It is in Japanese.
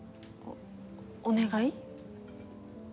お願い？